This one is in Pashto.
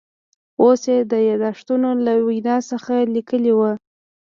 اوس یې د یاداشتونو له وینا څخه لیکلي و.